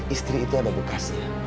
istri itu ada bekasnya